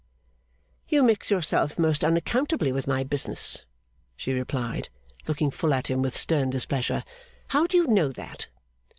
'You mix yourself most unaccountably with my business,' she replied, looking full at him with stern displeasure. 'How do you know that?